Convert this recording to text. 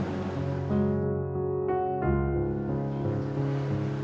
yuk biar ada tenaga yuk